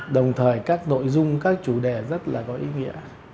đồng thời các nội dung các chủ đề rất là có ý nghĩa